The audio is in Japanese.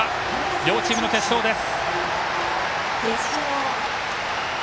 両チームの決勝です。